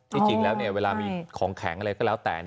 จริงแล้วเวลามีของแข็งอะไรก็แล้วแต่